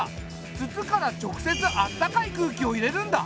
筒から直接あったかい空気を入れるんだ。